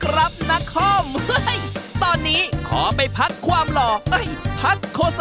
ระวังดูด้านขวาด้วย